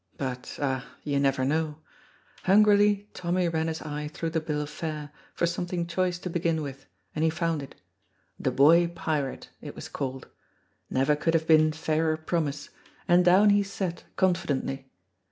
But, ah, you never know. Hungrily Tommy ran his eye through the bill of fare for something choice to begin with, and he found it. "The Boy Pirate" it was called. Never could have been fairer promise, and down he sat confidently.